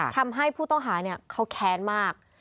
ทำให้ผู้ต้องหาเขาแค้นมาก